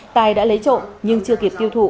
tài đã lấy trộm nhưng chưa kịp tiêu thụ